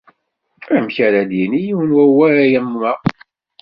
Amek ara d-yini yiwen awal am wa?